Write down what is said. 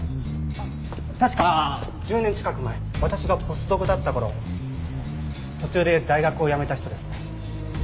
あっ確か１０年近く前私がポスドクだった頃途中で大学をやめた人ですね。